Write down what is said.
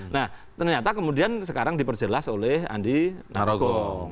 nah ternyata kemudian sekarang diperjelas oleh andi narogong